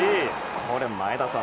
これ、前田さん